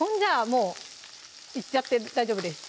もういっちゃって大丈夫です